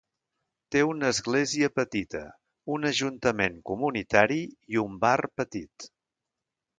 Té una església petita, un ajuntament comunitari i un bar petit.